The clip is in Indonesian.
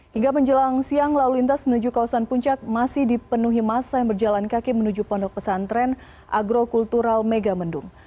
hingga menjelang siang lalu lintas menuju kawasan puncak masih dipenuhi masa yang berjalan kaki menuju pondok pesantren agrokultural megamendung